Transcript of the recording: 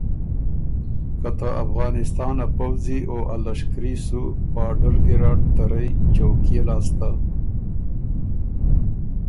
که ته افغانستان ا پؤځی او ا لشکري سُو بارډر ګیرډ ته رئ چوکيې لاسته